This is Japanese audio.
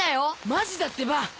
マジだってば！